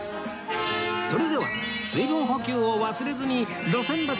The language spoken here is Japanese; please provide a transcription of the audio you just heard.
それでは水分補給を忘れずに